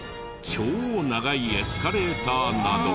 超長いエスカレーターなど。